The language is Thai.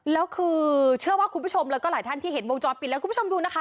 แล้วคือเชื่อว่าคุณผู้ชมแล้วก็หลายท่านที่เห็นวงจรปิดแล้วคุณผู้ชมดูนะคะ